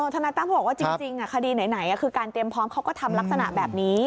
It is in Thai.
ทนายตั้มเขาบอกว่าจริงคดีไหนคือการเตรียมพร้อมเขาก็ทำลักษณะแบบนี้